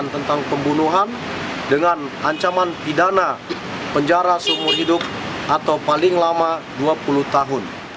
tentang pembunuhan dengan ancaman pidana penjara seumur hidup atau paling lama dua puluh tahun